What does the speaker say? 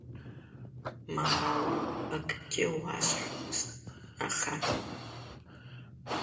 Мамоу, акгьы уасҳәомызт, аха…